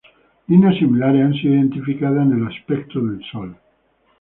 Líneas similares han sido identificadas en el espectro del Sol.